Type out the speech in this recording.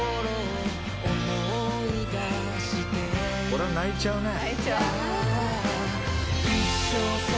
これ泣いちゃうね。